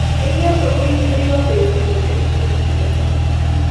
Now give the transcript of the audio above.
Eng yoto ko kii rubeiwon eng timishe somok che bo tai.